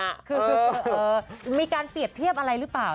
คือมีการเปรียบเทียบอะไรหรือเปล่า